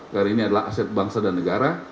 karena ini adalah aset bangsa dan negara